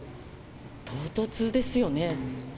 唐突ですよね。